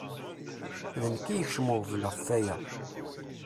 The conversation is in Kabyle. D nekk i yekcem uɣbel f aya.